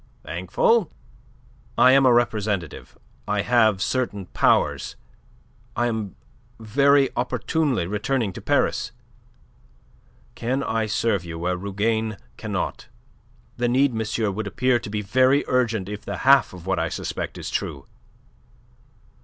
"Thankful?" "I am a representative. I have certain powers. I am very opportunely returning to Paris. Can I serve you where Rougane cannot? The need, monsieur, would appear to be very urgent if the half of what I suspect is true.